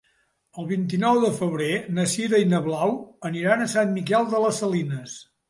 El vint-i-nou de febrer na Sira i na Blau aniran a Sant Miquel de les Salines.